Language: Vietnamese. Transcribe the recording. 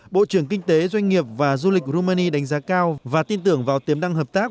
bộ trưởng kinh tế doanh nghiệp và du lịch rumani đánh giá cao và tin tưởng vào tiềm năng hợp tác